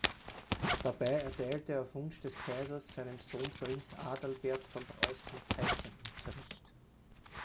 Dabei erteilte er auf Wunsch des Kaisers seinem Sohn Prinz Adalbert von Preußen Zeichenunterricht.